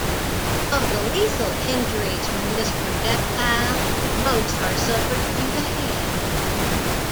Of the lethal injuries from this projectile, most are suffered to the head.